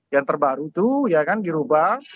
yang terbaru tuh ya kan dirubah